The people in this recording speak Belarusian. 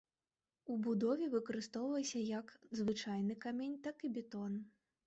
У будове выкарыстоўваўся як звычайны камень, так і бетон.